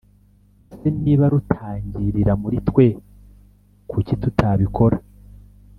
ese niba rutangirira muri twe kuki tutabikora‽